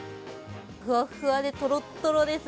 ふわっふわでとろっとろです。